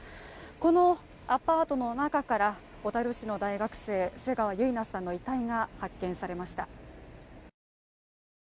このアパートの中から、小樽市の大学生、瀬川結菜さんの遺体が発見されました。